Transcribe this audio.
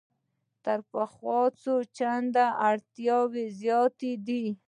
تر پخوا څو چنده اړتیا زیاته ده.